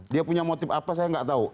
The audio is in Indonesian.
dia punya motif apa saya nggak tahu